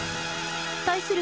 対する